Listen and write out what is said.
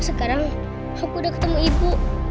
sekarang aku udah ketemu ibu